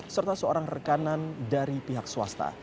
serta seorang rekanan dari pihak swasta